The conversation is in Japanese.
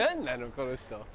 この人。